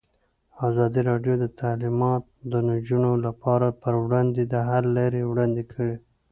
ازادي راډیو د تعلیمات د نجونو لپاره پر وړاندې د حل لارې وړاندې کړي.